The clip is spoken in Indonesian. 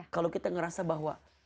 kalau kita ngerasa bahwa